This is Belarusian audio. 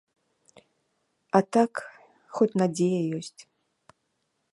А так, хоць надзея ёсць.